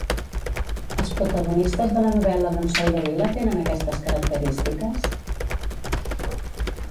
Els protagonistes de la novel·la d'en Soldevila tenen aquestes característiques?